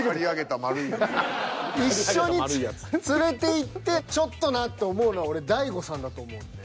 一緒に連れていってちょっとなって思うのは俺大悟さんだと思うんで。